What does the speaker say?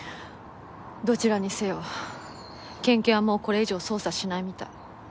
どちらにせよ県警はもうこれ以上捜査しないみたい。